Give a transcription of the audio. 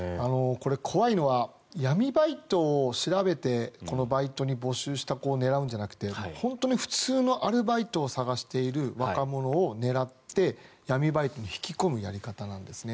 これ、怖いのは闇バイトを調べてこのバイトに募集した子を狙うんじゃなくて本当に普通のアルバイトを探している若者を狙って闇バイトに引き込むやり方なんですね。